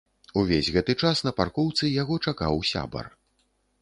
Увесь гэты час на паркоўцы яго чакаў сябар.